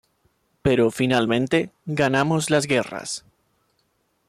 Pero, finalmente, ganamos las guerras".